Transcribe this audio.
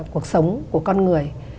cuộc sống của con người